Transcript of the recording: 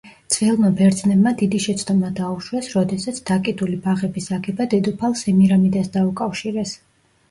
ძველმა ბერძნებმა დიდი შეცდომა დაუშვეს, როდესაც დაკიდული ბაღების აგება დედოფალ სემირამიდას დაუკავშირეს.